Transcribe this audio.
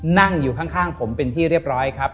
นั่งอยู่ข้างผมเป็นที่เรียบร้อยครับ